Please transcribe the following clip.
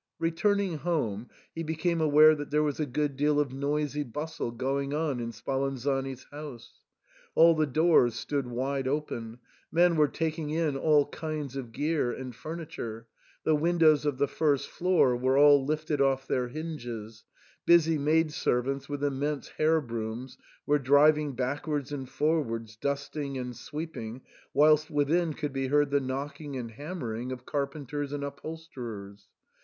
" Returning home, he became aware that there was a good deal of noisy bustle going on in Spalanzani's house. All the doors stood wide open ; men were tak ing in all kinds of gear and furniture ; the windows of the first floor were all lifted off their hinges ; busy maid servants with immense hair brooms were driving backwards and forwards dusting and sweeping, whilst within could be heard the knocking and hammering of carpenters and upholsterers.